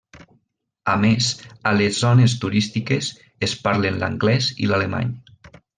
A més, a les zones turístiques, es parlen l'anglès i l'alemany.